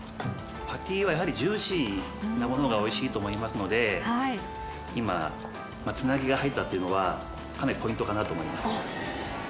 パティはやはりジューシーなものがおいしいと思いますので今つなぎが入ったというのはかなりポイントかなと思います。